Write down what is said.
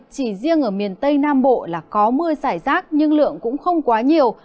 chỉ riêng ở miền tây nam bộ là có mưa giải rác nhưng lượng cũng không quá nhiều